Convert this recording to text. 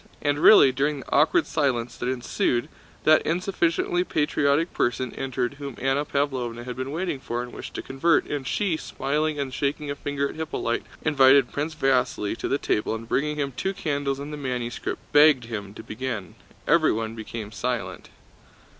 And really, during the awkward silence that ensued, that insufficiently patriotic person entered whom Anna Pávlovna had been waiting for and wished to convert, and she, smiling and shaking a finger at Hippolyte, invited Prince Vasíli to the table and bringing him two candles and the manuscript begged him to begin. Everyone became silent.